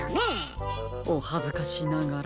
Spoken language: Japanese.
おはずかしながら。